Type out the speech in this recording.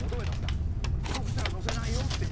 遅刻したら乗せないよっていう。